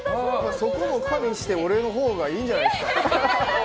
そこも加味して俺のほうがいいんじゃないですか。